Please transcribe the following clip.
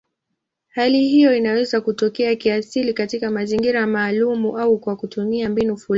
Hali hiyo inaweza kutokea kiasili katika mazingira maalumu au kwa kutumia mbinu fulani.